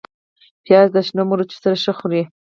پیاز د شنو مرچو سره ښه خوري